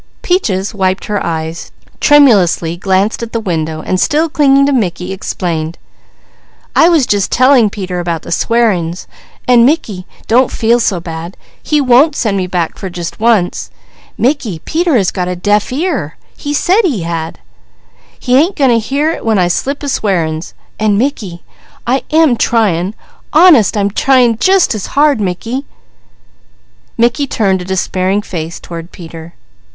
Peaches wiped her eyes, tremulously glanced at the window, and still clinging to Mickey explained: "I was just telling Peter about the swearin's, an' Mickey, don't feel so bad. He won't send me back for just once. Mickey, Peter has got 'a deaf ear.' He said he had! He ain't goin' to hear it when I slip a swearin's, an' Mickey, I am tryin'! Honest I'm tryin' jus' as hard, Mickey!" Mickey turned a despairing face toward Peter.